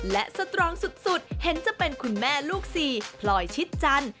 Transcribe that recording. และสตรองสุดเห็นจะเป็นคุณแม่ลูกสี่พลอยชิดจันทร์